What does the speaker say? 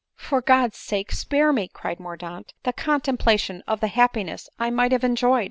" For God's sake, spare me," cried Mordaunt, " the contemplation of the happiness I might have enjoyed